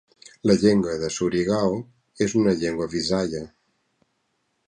La llengua de Surigao és una llengua visaia.